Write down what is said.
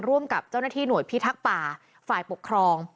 ร่วมกับเจ้าหน้าที่หน่วยพิทักษ์ป่าฝ่ายปกครอง